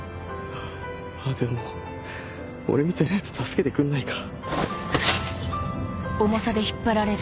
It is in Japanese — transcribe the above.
あっでも俺みたいなヤツ助けてくんないか。